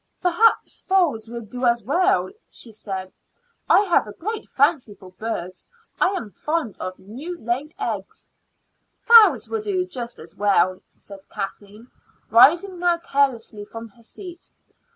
"Perhaps fowls would do as well," she said. "I have a great fancy for birds, and I am fond of new laid eggs." "Fowls will do just as well," said Kathleen, rising now carelessly from her seat.